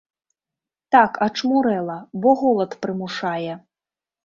Так, ачмурэла, бо голад прымушае.